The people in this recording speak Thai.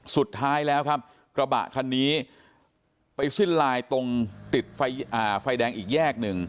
สุดท้ายแล้วครับกระบะคันนี้ไปสิ้นลายตรงติดไฟแดงอีกแยกหนึ่ง